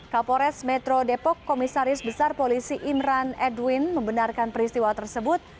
kapolres metro depok komisaris besar polisi imran edwin membenarkan peristiwa tersebut